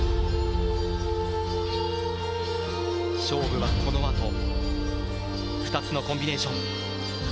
勝負はこのあと、２つのコンビネーション。